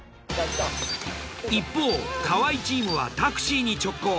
一方河合チームはタクシーに直行。